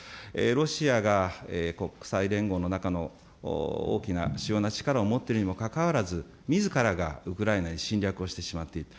ロシアが国際連合の中の大きな主要な力を持っているのにもかかわらず、みずからがウクライナに侵略をしてしまっている。